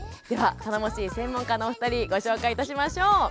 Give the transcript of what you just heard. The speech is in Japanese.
では頼もしい専門家のお二人ご紹介いたしましょう。